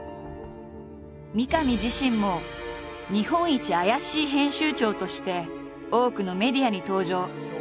三上自身も日本一アヤシイ編集長として多くのメディアに登場。